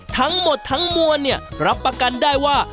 ทั้งหมดทั้งมวลเนี่ยรับประกันได้ว่า